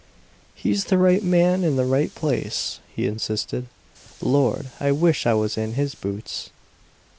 "He's the right man in the right place!" he insisted. "Lord, I wish I was in his boots!"